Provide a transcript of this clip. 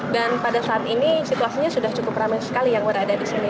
dan pada saat ini situasinya sudah cukup ramai sekali yang berada di sini